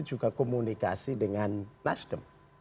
juga komunikasi dengan nasdem